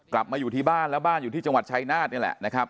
กลับมาอยู่ที่บ้านแล้วบ้านอยู่ที่จังหวัดชายนาฏนี่แหละนะครับ